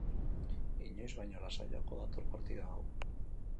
Inoiz baino lasaiago dator partida hau.